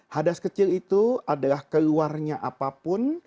hadas kecil itu adalah keluarnya apapun